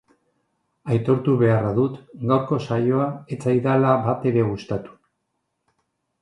Aitortu beharra dut gaurko saioa ez zaidala batere gustatu.